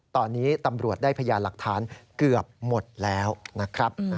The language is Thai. ตอนนี้ตำรวจได้พยานหลักฐานเกือบหมดแล้วนะครับ